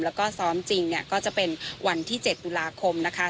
แล้วก็ซ้อมจริงเนี่ยก็จะเป็นวันที่๗ตุลาคมนะคะ